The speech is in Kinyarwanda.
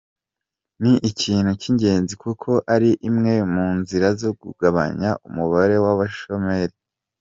Ni ikintu cy’ingenzi kuko ari imwe mu nzira zo kugabanya umubare w’abashomeri.